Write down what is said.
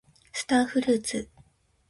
スターフルーツ